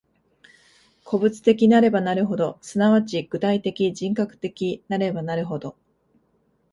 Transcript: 個物的なればなるほど、即ち具体的人格的なればなるほど、